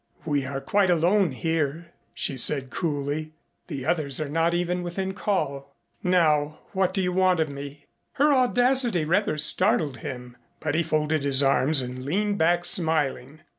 "We are quite alone here," she said coolly. "The others are not even within call. Now what do you want of me?" Her audacity rather startled him, but he folded his arms and leaned back smiling.